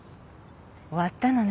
終わったのね。